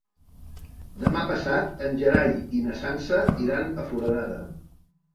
Demà passat en Gerai i na Sança iran a Foradada.